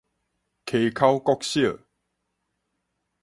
溪口國小